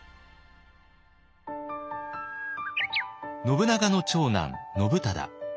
信長の長男信忠。